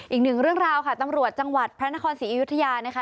อีกหนึ่งเรื่องราวค่ะตำรวจจังหวัดพระนครศรีอยุธยานะคะ